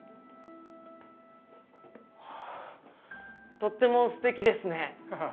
とってもすてきですね。